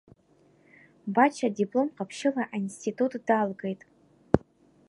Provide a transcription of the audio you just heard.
Бача диплом ҟаԥшьыла аинститут далгеит.